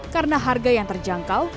karena harga yang terjangkau